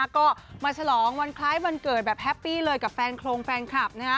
ก็มาฉลองวันคล้ายวันเกิดแบบแฮปปี้เลยกับแฟนโครงแฟนคลับ